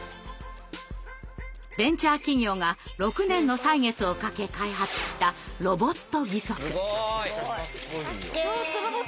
ベンチャー企業が６年の歳月をかけ開発したすごい！